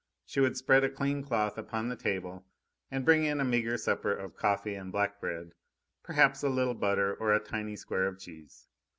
She would spread a clean cloth upon the table and bring in a meagre supper of coffee and black bread, perhaps a little butter or a tiny square of cheese.